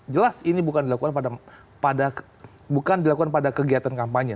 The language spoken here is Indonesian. jelas ini bukan dilakukan pada kegiatan kampanye